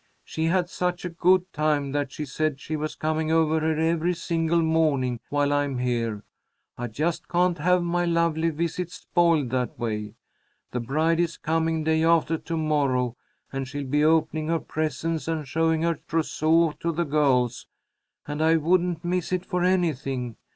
She had such a good time that she said she was coming over here every single morning while I'm here. I just can't have my lovely visit spoiled that way. The bride is coming day after to morrow, and she'll be opening her presents and showing her trousseau to the girls, and I wouldn't miss it for anything.